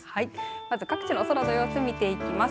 まず各地の空の様子見ていきます。